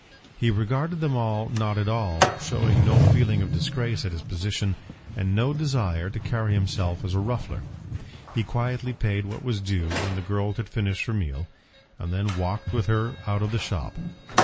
He regarded them all not at all, showing no feeling of disgrace at his position, and no desire to carry himself as a ruffler. He quietly paid what was due when the girl had finished her meal, and then walked with her out of the shop.